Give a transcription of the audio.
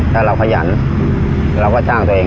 ถ้าเราขยันเราก็จ้างตัวเอง